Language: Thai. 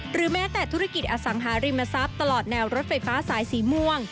แม้แต่ธุรกิจอสังหาริมทรัพย์ตลอดแนวรถไฟฟ้าสายสีม่วง